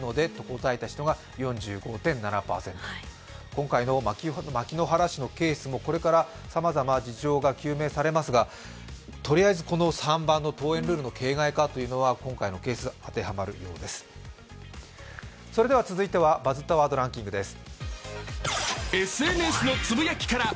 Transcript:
今回の牧之原市のケースもこれからさまざま事情が究明されますがとりあえずこの３番の登園ルールの形骸化は、今回のケース、当てはまるようです続いては「バズったワードランキング」です。